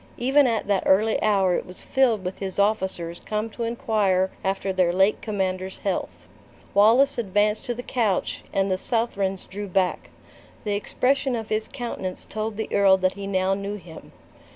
Even at that early hour it was filled with his officers come to inquire after their late commander's health. Wallace advanced to the couch, and the Southrons drew back. The expression of his countenance told the earl that he now knew him.